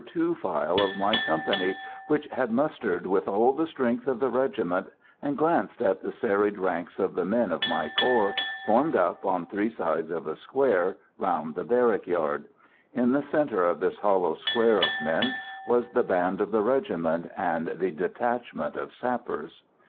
2 file of my company, which had mustered with all the strength of the regiment, and glanced at the serried ranks of the men of my corps, formed up on three sides of a square, round the barrack yard. In the centre of this hollow square of men was the band of the regiment, and the detachment of sappers.